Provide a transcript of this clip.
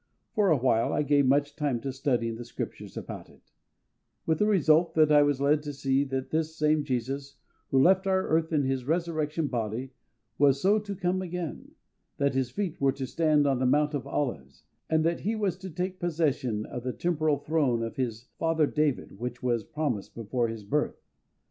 For a while I gave much time to studying the Scriptures about it, with the result that I was led to see that this same JESUS who left our earth in His resurrection body was so to come again, that His feet were to stand on the Mount of Olives, and that He was to take possession of the temporal throne of His father David which was promised before His birth.